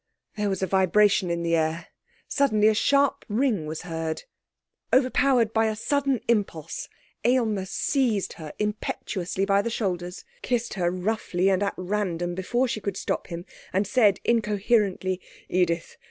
There was a vibration in the air. Suddenly a sharp ring was heard. Overpowered by a sudden impulse, Aylmer seized her impetuously by the shoulders, kissed her roughly and at random before she could stop him, and said incoherently: 'Edith!